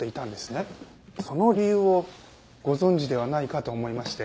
その理由をご存じではないかと思いまして。